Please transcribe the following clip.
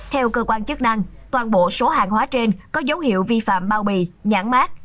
theo cơ quan chức năng toàn bộ số hàng hóa trên có dấu hiệu vi phạm bao bì nhãn mát